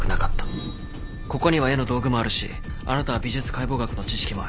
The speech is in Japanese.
ここには絵の道具もあるしあなたは美術解剖学の知識もある。